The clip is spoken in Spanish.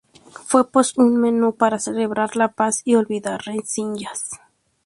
Fue, pues, un menú para celebrar la paz y olvidar rencillas.